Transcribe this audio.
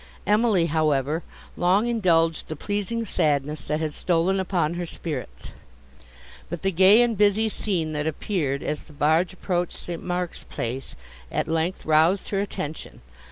Emily, however, long indulged the pleasing sadness, that had stolen upon her spirits; but the gay and busy scene that appeared, as the barge approached St. Mark's Place, at length roused her attention.